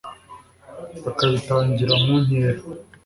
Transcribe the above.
bakabitangira mu nkera